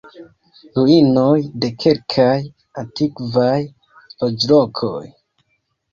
Ruinoj de kelkaj antikvaj loĝlokoj.